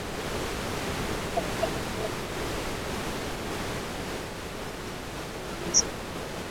Ameweka alama akiwa na vilabu vya Argentinos Juniours Boca Juniours Barcelona Napoli Sevilla